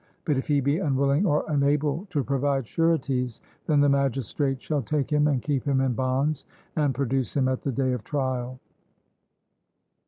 But if he be unwilling or unable to provide sureties, then the magistrates shall take him and keep him in bonds, and produce him at the day of trial.